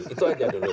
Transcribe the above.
itu aja dulu